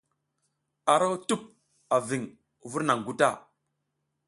Aro tup a viŋ vur naŋ guta.